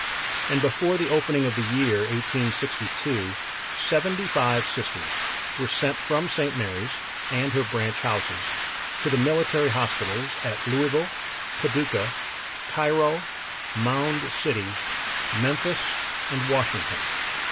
And before the opening of the year 1862 seventy five Sisters were sent from St. Mary's, and her branch houses, to the military hospitals at Louisville, Paducah, Cairo, Mound City, Memphis and Washington.